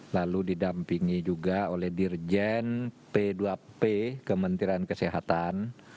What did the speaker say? lalu didampingi juga oleh dirjen p dua p kementerian kesehatan